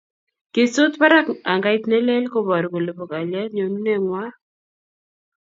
Kisut barak angait ne lel koboru kole bo kalyet nyonuneng'wang'